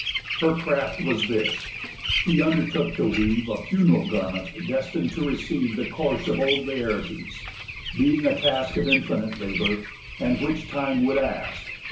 Her craft was this: She undertook to weave A funeral garment destin'd to receive The corse of old Laertes; being a task Of infinite labour, and which time would ask.